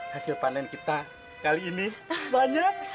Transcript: hasil panen kita kali ini banyak